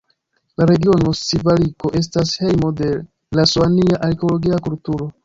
La regiono Sivaliko estas hejmo de la Soania arkeologia kulturo.